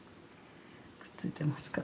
くっついてますか？